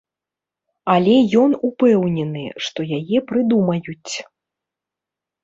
Але ён упэўнены, што яе прыдумаюць.